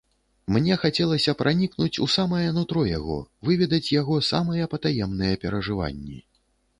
Мне захацелася пранікнуць у самае нутро яго, выведаць яго самыя патаемныя перажыванні.